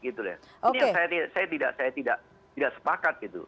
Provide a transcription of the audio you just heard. ini yang saya tidak sepakat gitu